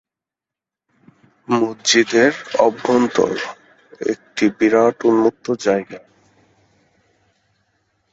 মসজিদের অভ্যন্তর একটি বিরাট উন্মুক্ত জায়গা।